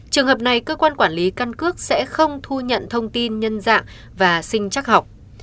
trường hợp này cơ quan quản lý căn cước sẽ không thu nhận thông tin nhân dạng và sinh chắc học